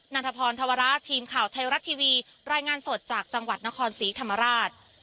ันทพรธวระทีมข่าวไทยรัฐทีวีรายงานสดจากจังหวัดนครศรีธรรมราช